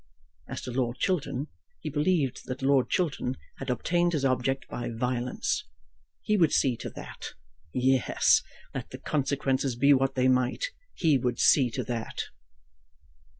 As to Lord Chiltern, he believed that Lord Chiltern had obtained his object by violence. He would see to that! Yes; let the consequences be what they might, he would see to that!